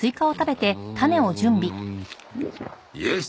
よし！